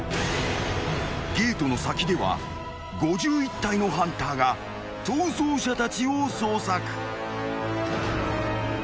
［ゲートの先では５１体のハンターが逃走者たちを捜索］